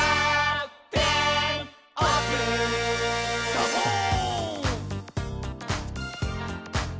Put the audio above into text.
「サボーン！」